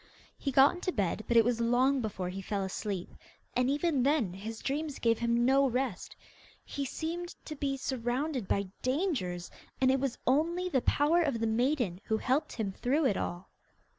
He got into bed, but it was long before he fell asleep, and even then his dreams gave him no rest. He seemed to be surrounded by dangers, and it was only the power of the maiden who helped him through it all.